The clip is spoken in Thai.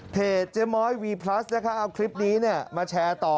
เจ๊ม้อยวีพลัสนะคะเอาคลิปนี้มาแชร์ต่อ